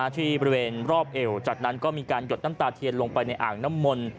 ที่บริเวณรอบเอวจากนั้นก็มีการหยดน้ำตาเทียนลงไปในอ่างน้ำมนต์